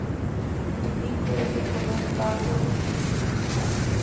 El pico es de color pardo rojizo.